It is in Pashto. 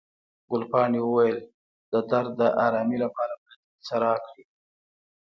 ګلپاڼې وویل، د درد د آرامي لپاره باید یو څه راکړئ.